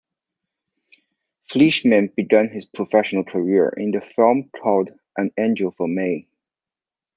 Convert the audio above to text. Fleeshman began his professional career in the film called "An Angel for May".